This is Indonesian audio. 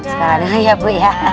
sekarang dulu ya bu ya